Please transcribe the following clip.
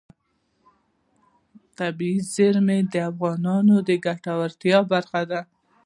طبیعي زیرمې د افغانانو د ګټورتیا برخه ده.